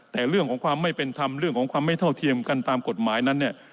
แต่เรื่องของความไม่เป็นธรรมเรื่องของความไม่เท่าเทียมกันตามกฎหมายนั้นเนี่ย